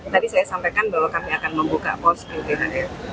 tadi saya sampaikan bahwa kami akan membuka posko thr